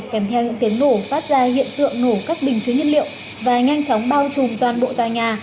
kèm theo những tiếng nổ phát ra hiện tượng nổ các bình chứa nhiên liệu và nhanh chóng bao trùm toàn bộ tòa nhà